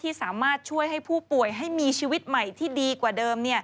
สามารถช่วยให้ผู้ป่วยให้มีชีวิตใหม่ที่ดีกว่าเดิม